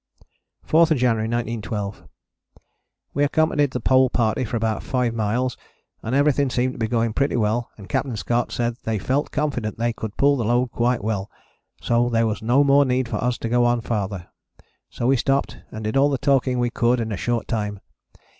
4th January 1912. We accompanied the Pole party for about five miles and everything seemed to be going pretty well and Capt. Scott said they felt confident they could pull the load quite well, so there was no more need for us to go on farther; so we stopped and did all the talking we could in a short time.